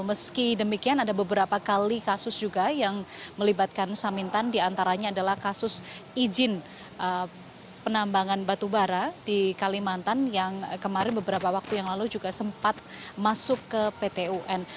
meski demikian ada beberapa kali kasus juga yang melibatkan samintan diantaranya adalah kasus izin penambangan batubara di kalimantan yang kemarin beberapa waktu yang lalu juga sempat masuk ke pt un